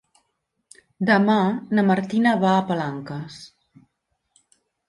Demà na Martina va a Palanques.